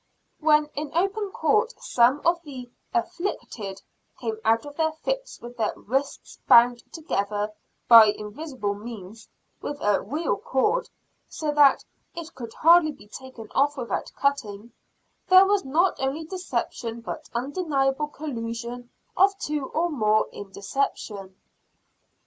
When in open court some of the "afflicted" came out of their fits with "their wrists bound together, by invisible means," with "a real cord" so that "it could hardly be taken off without cutting," was there not only deception, but undeniable collusion of two or more in deception?